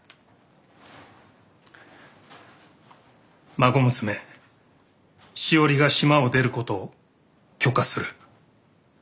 「孫娘しおりが島を出ることを許可する。